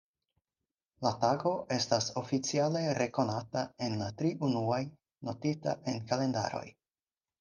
La tago estas oficiale rekonata en la tri unuaj, notita en kalendaroj.